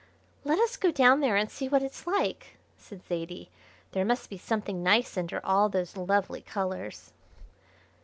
"Let us go down there and see what it's like," said Zaidie. "There must be something nice under all those lovely colours."